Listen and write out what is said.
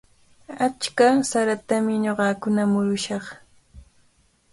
Achka saratami ñuqakuna murushaq.